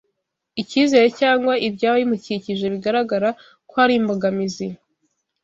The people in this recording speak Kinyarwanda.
icyizere cyangwa ibyaba bimukikije bigaragara ko ari imbogamizi